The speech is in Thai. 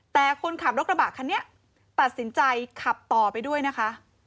แต่คนขับรถกระบะคันนี้ตัดสินใจขับต่อไปด้วยนะคะ